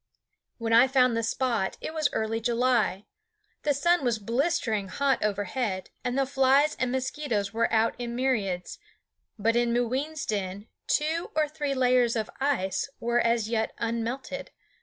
When I found the spot it was early July. The sun was blistering hot overhead, and the flies and mosquitoes were out in myriads; but in Mooween's den two or three layers of ice were as yet unmelted.